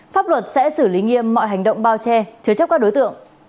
pháp luật sẽ xử lý nghiêm mọi hành động bao che chứa chấp các đối tượng